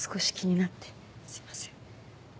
すいません。